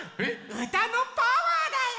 うたのパワーだよ。